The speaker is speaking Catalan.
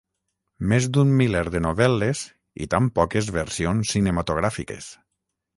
Més d'un miler de novel·les i tan poques versions cinematogràfiques!